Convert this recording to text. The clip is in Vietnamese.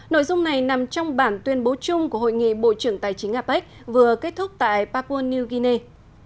nội dung này nằm trong bản tuyên bố chung của hội nghị bộ trưởng tài chính apec vừa kết thúc tại papua new guinea